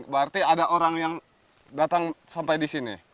berarti ada orang yang datang sampai di sini